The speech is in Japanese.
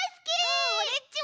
うんオレっちも！